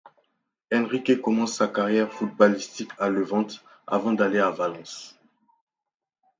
Enrique commence sa carrière footballistique à Levante avant d'aller à Valence.